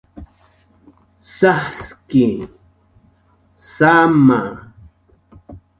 Sajt'a, saama